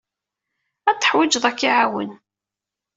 Ad t-teḥwijeḍ ad k-iɛawen.